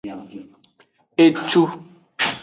Etu.